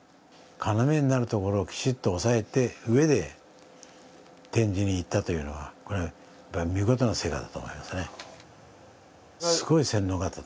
要になるところをきちっと押さえて展示にいったというのは見事な成果だと思いますね。